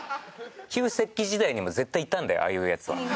旧石器時代にも絶対いたんだよああいうヤツは。